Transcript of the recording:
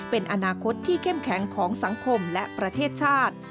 เป็นอนาคตที่เข้มแข็งของสังคมและประเทศชาติ